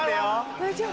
大丈夫？